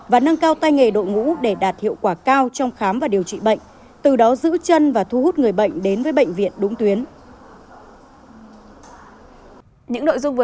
và nâng cao tay nghề đội ngũ để đạt hiệu quả cao trong khám và điều trị bệnh từ đó giữ chân và thu hút người bệnh đến với bệnh viện đúng tuyến